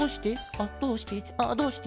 あっどうして？